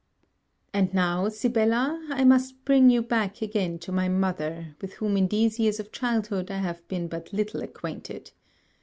And now, Sibella, I must bring you back again to my mother, with whom in these years of childhood I have been but little acquainted.